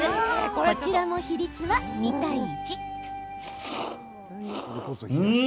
こちらも、比率は２対１。